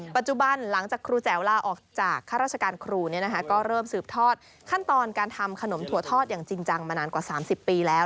ปัจจุบันหลังจากครูแจ๋วลาออกจากข้าราชการครูก็เริ่มสืบทอดขั้นตอนการทำขนมถั่วทอดอย่างจริงจังมานานกว่า๓๐ปีแล้ว